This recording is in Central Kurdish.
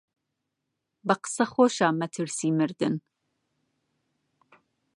بە قسە خۆشە مەترسیی مردن